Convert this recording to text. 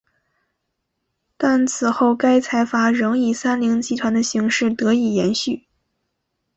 但此后该财阀仍以三菱集团的形式得以延续。